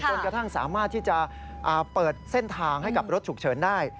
จนกระทั่งสามารถที่จะเปิดเส้นทางให้กับรถฉุกเฉินได้